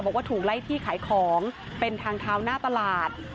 บอกว่าถูกไล่ที่ขายของเป็นทางเท้าหน้าตลาด